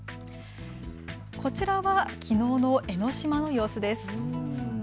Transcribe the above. こちらはきのうの江の島の様子です。